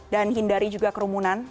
dan hindari juga kerumunan